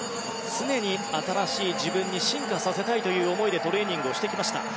常に新しい自分に進化させたいという思いでトレーニングをしてきました。